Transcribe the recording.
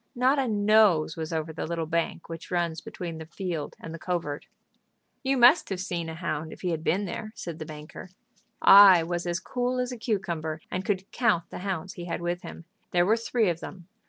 Not a nose was over the little bank which runs between the field and the covert." "You must have seen a hound if he had been there," said the banker. "I was as cool as a cucumber, and could count the hounds he had with him. There were three of them.